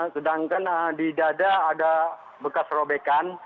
sedangkan di dada ada bekas robekan